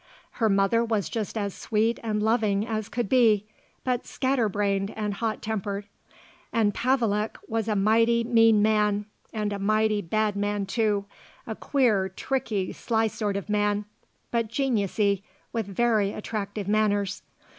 Her mother was just as sweet and loving as she could be, but scatter brained and hot tempered. And Pavelek was a mighty mean man and a mighty bad man, too, a queer, tricky, sly sort of man; but geniusy, with very attractive manners.